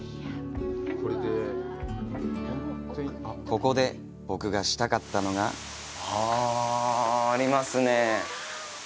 ここで僕がしたかったのがありますね。